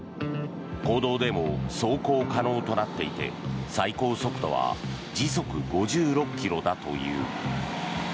公道でも走行可能となっていて最高速度は時速５６ｋｍだという。